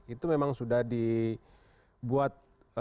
itu memang sudah dibuat